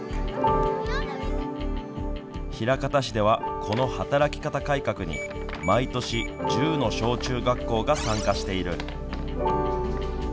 枚方市では、この働き方改革に毎年１０の小中学校が参加している。